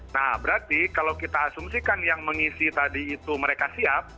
nah berarti kalau kita asumsikan yang mengisi tadi itu mereka siap